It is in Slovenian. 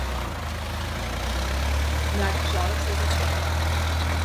Mladi človek se je zasmejal.